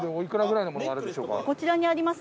こちらにあります